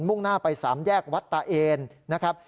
่งหน้าไป๓แยกวัดตาเอนนะครับ